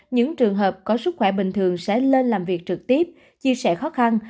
những trường hợp có sức khỏe bình thường sẽ lên làm việc trực tiếp chia sẻ khó khăn